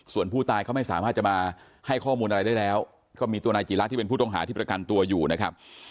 ส่วนผู้ตายเขาไม่สามารถจะมาให้ข้อมูลอะไรได้แล้วก็มีตัวนายจีระที่เป็นผู้ต้องหาที่ประกันตัวอยู่นะครับ